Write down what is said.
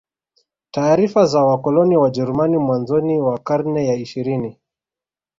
Taarifa za wakoloni Wajeruami mwanzoni wa karne ya ishirini